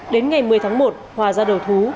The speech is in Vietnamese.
đến ngày một mươi tháng một hòa ra đầu thú